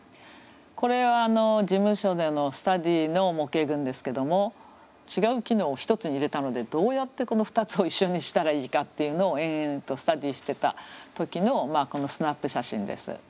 これは事務所でのスタディーの模型群ですけども違う機能を１つに入れたのでどうやってこの２つを一緒にしたらいいかっていうのを延々とスタディーしてた時のスナップ写真です。